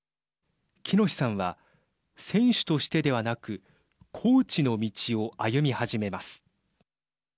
喜熨斗さんは選手としてではなくコーチの道を歩み始めます。